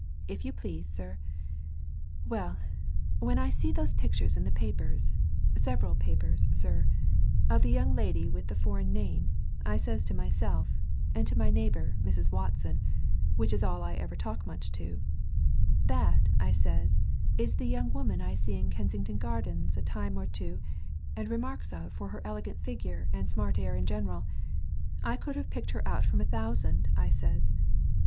"If you please, sir. Well, when I see those pictures in the papers several papers, sir of the young lady with the foreign name I says to myself, and to my neighbour, Mrs. Watson, which is all I ever talk much to, 'That,' I says, 'is the young woman I see in Kensington Gardens a time or two and remarks of for her elegant figure and smart air in general I could have picked her out from a thousand,' I says.